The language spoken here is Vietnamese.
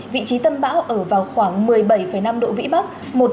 vị trí tâm bão ở vào khoảng một mươi bảy năm độ vĩ bắc